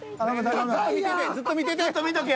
ずっと見てて！